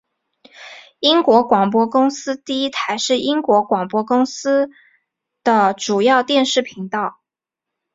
英国广播公司第一台是英国广播公司的主要电视频道。